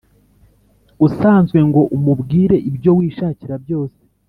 usanzwe ngo umubwire ibyo wishakira byose.